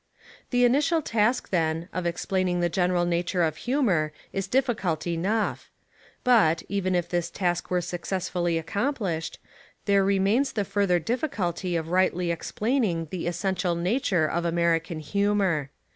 The initial task, then, of explaining the gen eral nature of humour is difficult enough. But, even if this task were successfully accomplished, there remains the further difficulty of rightly explaining the essential nature of American hu mour.